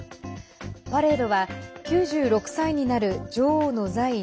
パレードは９６歳になる女王の在位